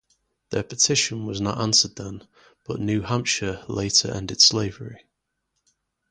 Their petition was not answered then, but New Hampshire later ended slavery.